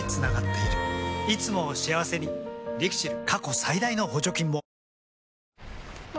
いつもを幸せにＬＩＸＩＬ。